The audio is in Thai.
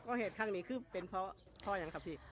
ก่อเหตุข้างนี้คือเป็นเพราะพ่อยังครับพี่